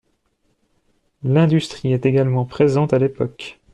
L'industrie est également présente à l'époque.